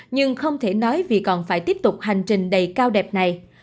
nhưng không thể nói vì còn phải tiếp tục hành trình đầy cao đẹp này